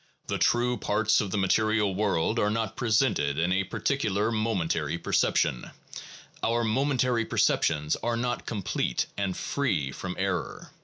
The true parts of the material world are not presented in a particular momentary perception; our momentary perceptions are not complete and free from error.